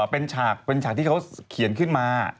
เป็นฉากที่เขาเขียนขึ้นมา